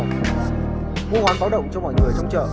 ngôi ngón báo động cho mọi người trong chợ